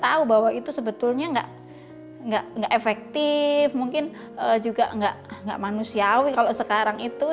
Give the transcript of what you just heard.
kita tahu bahwa itu sebetulnya gak efektif mungkin juga gak manusiawi kalau sekarang itu